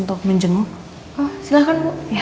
tak berubah dan tak pernah